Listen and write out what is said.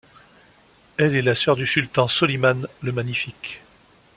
Elle est la sœur du sultan Soliman le Magnifique.